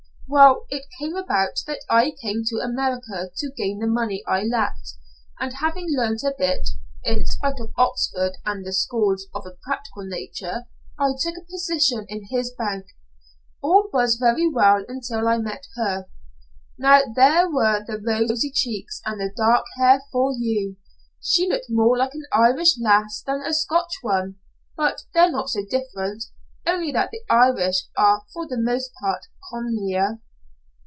"Well, it came about that I came to America to gain the money I lacked, and having learned a bit, in spite of Oxford and the schools, of a practical nature, I took a position in his bank. All was very well until I met her. Now there were the rosy cheeks and the dark hair for you! She looked more like an Irish lass than a Scotch one. But they're not so different, only that the Irish are for the most part comelier.